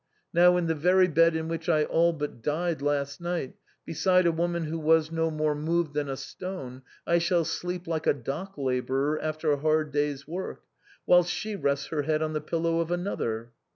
Now, in the very bed in which I all but died last night, be side a woman who was no more moved than a stone, I shall sleep like a dock laborer after a hard day^s work, whilst she rests her head on the pillow of another.'